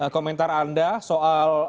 komentar anda soal